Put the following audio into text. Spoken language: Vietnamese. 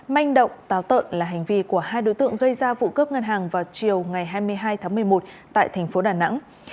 manh động táo tợn là hành vi của hai đối tượng gây ra vụ cướp ngân hàng vào chiều ngày hai mươi hai tháng một mươi một tại thành phố đà nẵng